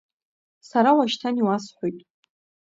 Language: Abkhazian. Сара уашьҭан иуасҳәоит…